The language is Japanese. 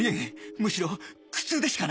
むしろ苦痛でしかない